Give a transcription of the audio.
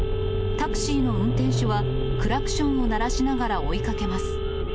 タクシーの運転手は、クラクションを鳴らしながら追いかけます。